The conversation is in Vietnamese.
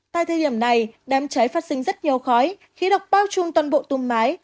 tại thời điểm này đám cháy phát sinh rất nhiều khói khí độc bao chung toàn bộ tung máy